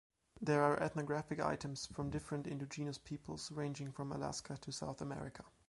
There are ethnographic items from different indigenous peoples ranging from Alaska to South America.